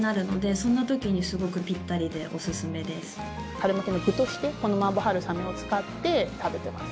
春巻きの具としてこの麻婆春雨を使って食べてます。